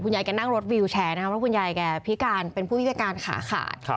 ยายแกนั่งรถวิวแชร์นะครับเพราะคุณยายแกพิการเป็นผู้พิการขาขาด